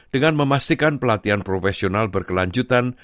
dengan memastikan pelatihan profesional berkelanjutan